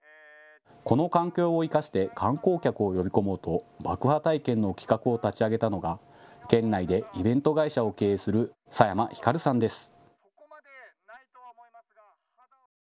この環境を生かして観光客を呼び込もうと爆破体験の企画を立ち上げたのが県内でイベント会社を経営する佐山輝さんです。